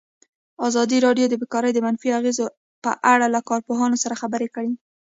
ازادي راډیو د بیکاري د منفي اغېزو په اړه له کارپوهانو سره خبرې کړي.